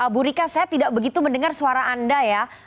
bu rika saya tidak begitu mendengar suara anda ya